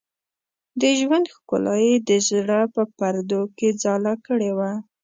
د ژوند ښکلا یې د زړه په پردو کې ځاله کړې وه.